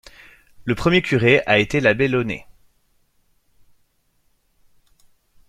Le premier curé a été l'abbé Launay.